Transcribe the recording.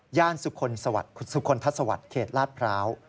หญ้าณสุคคลทัศน์สวัสดิ์เคศราชพราว